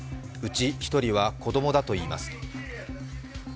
うち１人は子供だといいます。